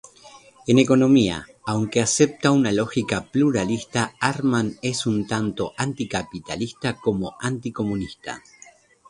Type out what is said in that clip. En economía aunque acepta una lógica pluralista, Armand es tanto anticapitalista como anticomunista.